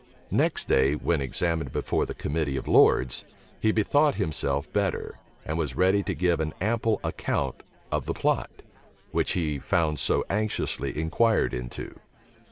Next day, when examined before the committee of lords, he bethought himself better, and was ready to give an ample account of the plot, which he found so anxiously inquired into.